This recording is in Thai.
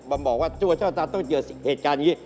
บอกว่าตัวเจอเหตุการณ์อย่างนี้